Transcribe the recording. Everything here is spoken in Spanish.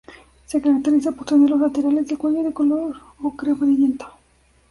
Se caracteriza por tener los laterales del cuello de color ocre amarillento.